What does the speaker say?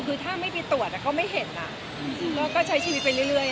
คือถ้าไม่มีตรวจบางท่องั้นก็ไม่เห็นแล้วก็ใช้ชีวิตไปเรื่อย